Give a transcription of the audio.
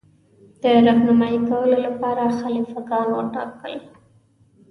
د رهنمايي کولو لپاره خلیفه ګان وټاکل.